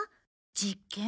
実験？